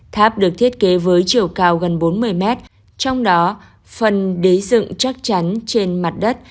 tháp được thiết kế với chiều cao gần bốn mươi mét trong đó phần đế dựng chắc chắn trên mặt đất